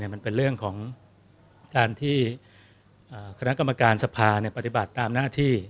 มันเป็นเรื่องของการที่คณะกรรมการสภาปฏิบัติตามหน้าที่